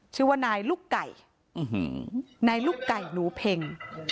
ชื่อว่านายลูกไก่นายลูกไก่หนูเพ็ง